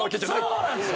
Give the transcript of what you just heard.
そうなんですよ。